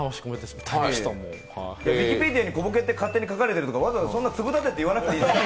ウィキペディアに小ボケって書かれてるとかわざわざそんなつぶだてて言わなくていいんですよ。